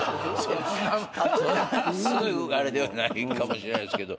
そんなすごいあれではないかもしれないですけど。